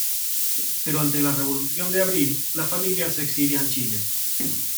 Pero ante la revolución de abril, la familia se exilia en Chile.